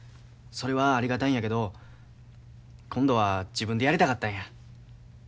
それはありがたいんやけど今度は自分でやりたかったんや。